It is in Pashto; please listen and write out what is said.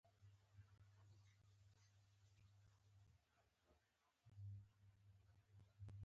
دوی د خوبونو په دنیا کې د وزارتونو پر چوکیو آسونه ځغلولي.